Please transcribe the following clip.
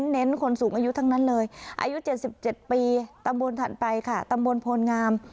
เน้นคนสูงอายุทั้งนั้นเลยอายุ๗๗ปีตำบลถัดไปค่ะตำบลโพลงาม